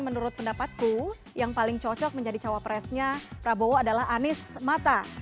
menurut pendapatku yang paling cocok menjadi cawapresnya prabowo adalah anies mata